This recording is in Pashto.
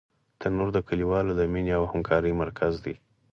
تنور د کلیوالو د مینې او همکارۍ مرکز دی